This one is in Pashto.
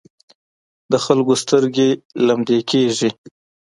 د خلکو سترګې لمدې کېږي.